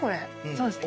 そうですね